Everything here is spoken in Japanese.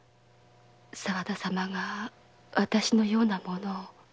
沢田様が私のような者を。